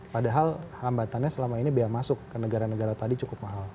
padahal hambatannya selama ini biaya masuk ke negara negara tadi cukup mahal